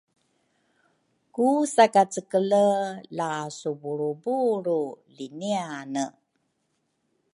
ku sakacekele la subulrubulru liniane